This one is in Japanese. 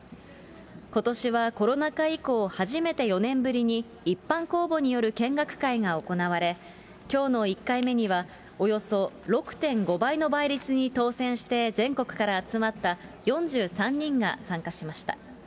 ことしはコロナ禍以降、初めて４年ぶりに一般公募による見学会が行われ、きょうの１回目にはおよそ６．５倍の倍率に当せんして全国から集まった４３人が参加しました。